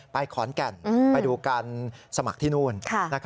ขอนแก่นไปดูการสมัครที่นู่น